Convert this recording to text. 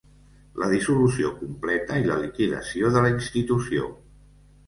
La dissolució completa i la liquidació de la institució.